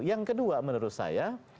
yang kedua menurut saya